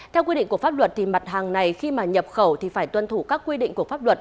theo quy định của pháp luật mặt hàng này khi nhập khẩu phải tuân thủ các quy định của pháp luật